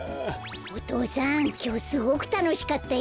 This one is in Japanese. お父さんきょうすごくたのしかったよ。